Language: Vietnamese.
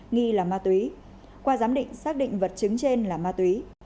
nghi là ma túy qua giám định xác định vật chứng trên là ma túy